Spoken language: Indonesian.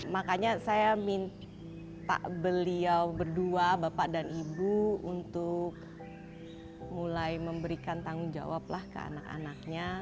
makanya saya minta pak beliau berdua bapak dan ibu untuk mulai memberikan tanggung jawab lah ke anak anaknya